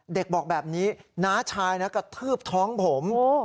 เด็กบอกแบบนี้น้าชายนะกระทืบท้องผม